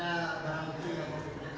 ada barang kecil yang